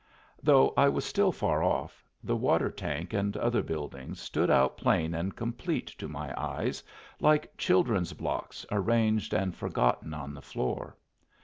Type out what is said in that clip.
Though I was still far off, the water tank and other buildings stood out plain and complete to my eyes, like children's blocks arranged and forgotten on the floor.